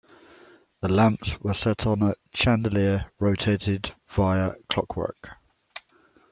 The lamps were set on a chandelier rotated via clockwork.